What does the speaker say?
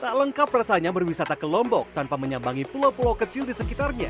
tak lengkap rasanya berwisata ke lombok tanpa menyambangi pulau pulau kecil di sekitarnya